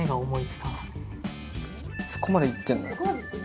そこまでいってんの？